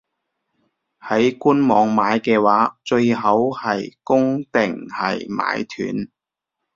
喺官網買嘅話，最好係供定係買斷?